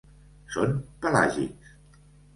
Són pelàgics.